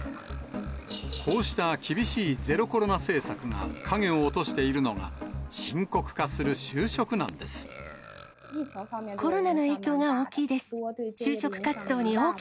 こうした厳しいゼロコロナ政策が影を落としているのが、深刻化すコロナの影響が大きいです。